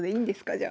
じゃあ。